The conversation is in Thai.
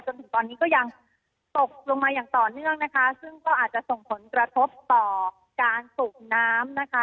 จนถึงตอนนี้ก็ยังตกลงมาอย่างต่อเนื่องนะคะซึ่งก็อาจจะส่งผลกระทบต่อการสูบน้ำนะคะ